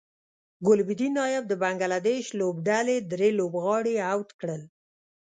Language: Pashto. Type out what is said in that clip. ګلبدین نایب د بنګلادیش لوبډلې درې لوبغاړي اوټ کړل